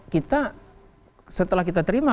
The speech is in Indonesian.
kita setelah kita terima